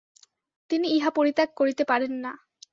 তিনি ইহা পরিত্যাগ করিতে পারেন না।